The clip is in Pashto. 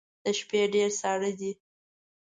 د شپې ډیر ساړه دی